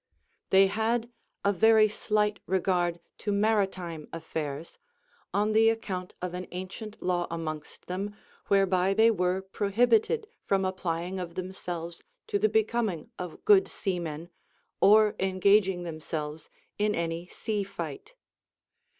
42. They had a very slight regard to maritime affairs, on the account of an ancient law amongst them, whereby thfy were prohibited from applying of themselves to the becom ing of good seamen or engaging themselves in any sea fight.